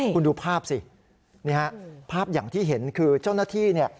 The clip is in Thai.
คุณดูภาพสิภาพอย่างที่เห็นคือเจ้าหน้าที่